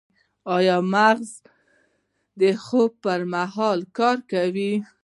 ایا مغز د خوب پر مهال کار کوي؟